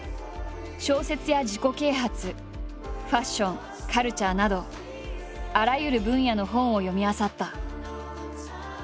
小説や自己啓発ファッションカルチャーなどあらゆる分野の本を読みあさった。